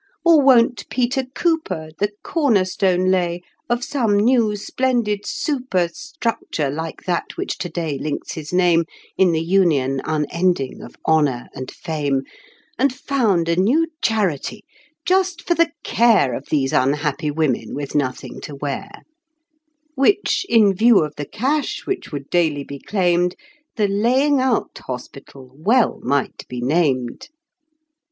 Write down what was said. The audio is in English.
Or won't Peter Cooper The corner stone lay of some new splendid super Structure, like that which to day links his name In the Union unending of Honor and Fame, And found a new charity just for the care Of these unhappy women with nothing to wear, Which, in view of the cash which would daily be claimed, The Laying out Hospital well might be named?